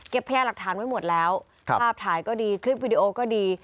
พยาหลักฐานไว้หมดแล้วภาพถ่ายก็ดีคลิปวิดีโอก็ดี